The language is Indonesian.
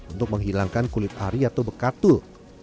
untuk menghilangkan kulit ari atau bekatul